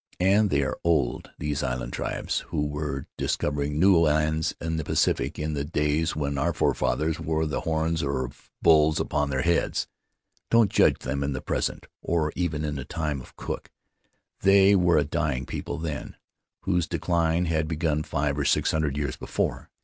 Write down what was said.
And they are old, these island tribes who were dis covering new lands in the Pacific in the days when our forefathers wore the horns of bulls upon their heads. Don't judge them in the present, or even in the time of Cook; they were a dying people then, whose decline had begun five or six hundred years before.